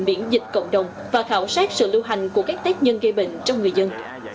miễn dịch cộng đồng và khảo sát sự lưu hành của các tết nhân gây bệnh trong người dân